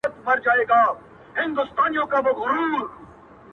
o زما له ملا څخه په دې بد راځي؛